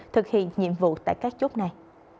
thực hiện nhiệm vụ tại các chốt này